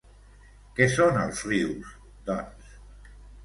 Què són els rius, doncs?